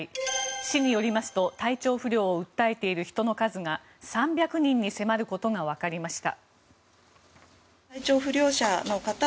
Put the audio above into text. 市によりますと体調不良を訴えている人の数が３００人に迫ることがわかりました。